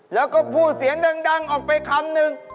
แล้วก็พูดเสียงดังออกไปคำนึง